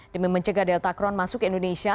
demi mencegah delta crohn masuk ke indonesia